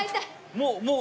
もうもう。